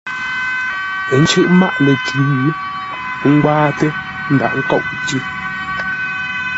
Ə́ cʉ́ʼ mâʼ lə̂ tʉ̌, ə́ ngwáatə́; ə́ ndaghʼ ńkôʼ tʉ̌.